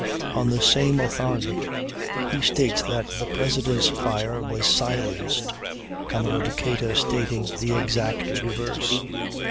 On the same authority he states that the President's fire was "silenced," Commodore Decatur stating the exact reverse.